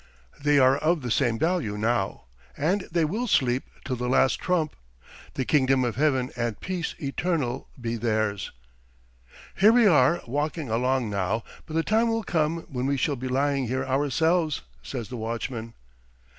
They are of the same value now. And they will sleep till the last trump. The Kingdom of Heaven and peace eternal be theirs." "Here we are walking along now, but the time will come when we shall be lying here ourselves," says the watchman.